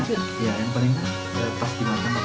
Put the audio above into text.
ya yang paling enak